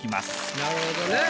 なるほどね。